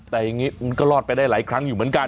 แต่อย่างนี้มันก็รอดไปได้หลายครั้งอยู่เหมือนกัน